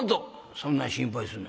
「そんな心配すんな。